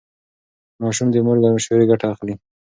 ماشوم د مور له مشورې ګټه اخلي.